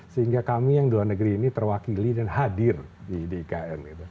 sehingga kami yang di luar negeri ini terwakili dan hadir di ikn